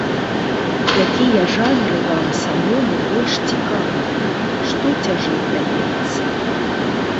Якія жанры вам самому больш цікавыя, што цяжэй даецца?